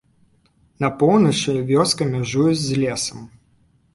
На поўначы вёска мяжуе з лесам.